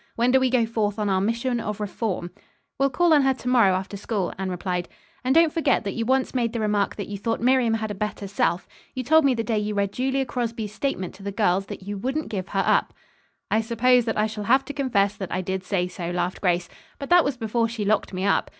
"When do we go forth on our mission of reform?" "We'll call on her to morrow after school," Anne replied, "and don't forget that you once made the remark that you thought Miriam had a better self. You told me the day you read Julia Crosby's statement to the girls that you wouldn't give her up." "I suppose that I shall have to confess that I did say so," laughed Grace. "But that was before she locked me up.